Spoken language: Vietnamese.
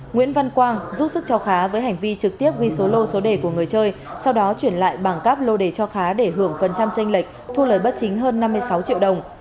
nguyễn văn quang giúp sức cho khá với hành vi trực tiếp ghi số lô số đề của người chơi sau đó chuyển lại bằng cáp lô đề cho khá để hưởng phần trăm tranh lệch thu lời bất chính hơn năm mươi sáu triệu đồng